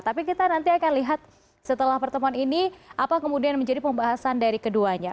tapi kita nanti akan lihat setelah pertemuan ini apa kemudian menjadi pembahasan dari keduanya